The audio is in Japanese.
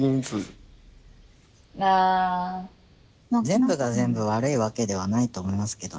全部が全部悪いわけではないと思いますけど。